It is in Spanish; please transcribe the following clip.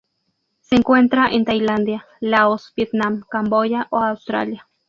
Se encuentra en Tailandia, Laos, Vietnam, Camboya a Australia.